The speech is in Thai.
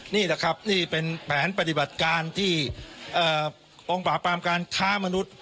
นี่แหละครับนี่เป็นแผนปฏิบัติการที่กองปราบปรามการค้ามนุษย์